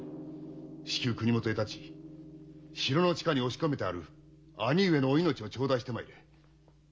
至急国もとへ発ち城の地下に押し込めてある兄上のお命を頂戴して参れ。